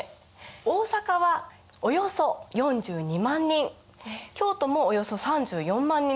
大坂はおよそ４２万人京都もおよそ３４万人でした。